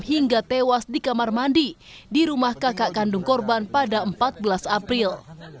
hingga tewas di kamar mandi di rumah kakak kandung korban pada empat belas april